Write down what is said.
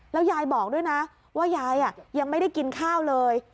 แล้วยายบอกด้วยนะว่ายายยังไม่ได้กินข้าวเลย